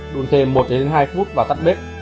đun thêm một hai phút và tắt bếp